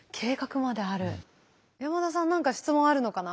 山田さん何か質問あるのかな？